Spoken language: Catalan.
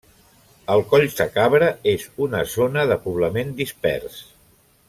El Collsacabra és una zona de poblament dispers.